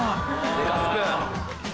デカスプーン。